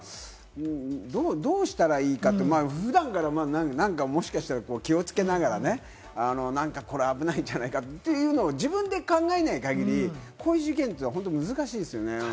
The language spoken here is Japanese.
どうしたらいいかって、普段から何か、もしかしたら気をつけながらね、これ危ないんじゃないか？というのを自分で考えない限り、こういう事件は難しいですよね。